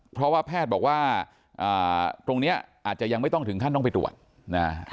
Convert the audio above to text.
เพราะว่าแพทย์บอกว่าตรงนี้อาจจะยังไม่ต้องถึงขั้นต้องไปตรวจนะฮะ